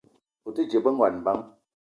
O te dje be ngon bang ?